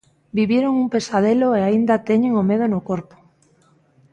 Viviron un pesadelo e aínda teñen o medo no corpo.